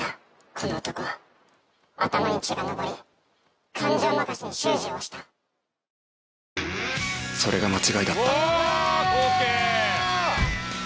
この男は頭に血が上り感情任せに秀司を押したそれが間違いだった。